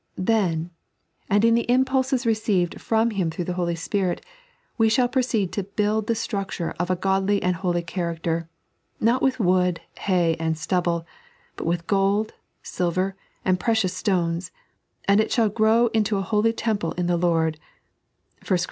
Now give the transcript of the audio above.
Then, and in the impulses received from Him through the Holy Spirit, we shaU proceed to build the stinicture of a godly and holy character, not with wood, hay, and stubble, but with gold, silver, and precious stones, and it shall grow imto a holy temple in the Lord (1 Cor.